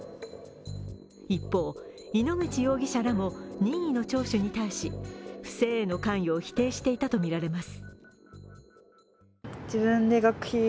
一方、井ノ口容疑者らも任意の聴取に対し不正への関与を否定していたとみられます。